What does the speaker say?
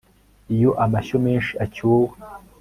iyo amashyo menshi acyuwe